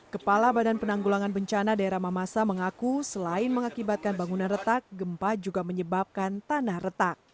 kepala badan penanggulangan bencana daerah mamasa mengaku selain mengakibatkan bangunan retak gempa juga menyebabkan tanah retak